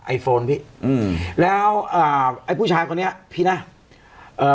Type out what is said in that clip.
โฟนพี่อืมแล้วอ่าไอ้ผู้ชายคนนี้พี่นะเอ่อ